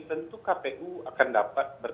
tentu kpu akan dapat membuatnya lebih beragam